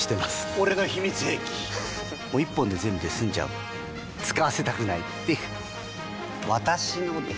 俺の秘密兵器１本で全部済んじゃう使わせたくないっていう私のです！